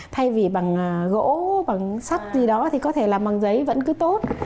thay vì bằng gỗ bằng sắc gì đó thì có thể làm bằng giấy vẫn cứ tốt